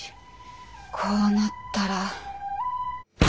こうなったら。